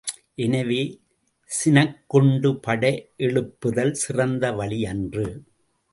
எனவே சினக்கொண்டு படையெழுப்புதல் சிறந்த வழி அன்று.